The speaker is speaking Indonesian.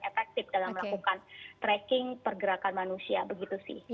dikontrol di masyarakat yang paling efektif dalam melakukan tracking pergerakan manusia begitu sih